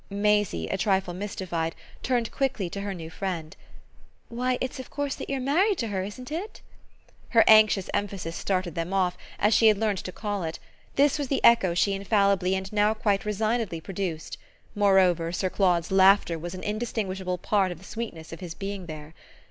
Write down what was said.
Maisie, a trifle mystified, turned quickly to her new friend. "Why it's of course that you're MARRIED to her, isn't it?" Her anxious emphasis started them off, as she had learned to call it; this was the echo she infallibly and now quite resignedly produced; moreover Sir Claude's laughter was an indistinguishable part of the sweetness of his being there.